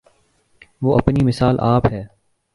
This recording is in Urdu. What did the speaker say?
وہ اپنی مثال آپ ہے۔